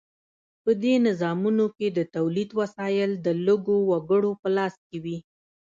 په دې نظامونو کې د تولید وسایل د لږو وګړو په لاس کې وي.